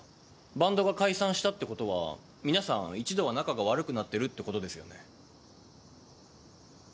バンドが解散したってことは皆さん一度は仲が悪くなってるってことですよね？